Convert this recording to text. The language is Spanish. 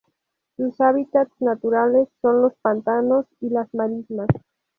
Sus hábitats naturales son los pantanos y las marismas.